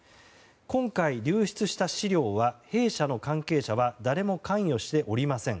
今回、流出したリストは弊社の人間は誰も関与しておりません。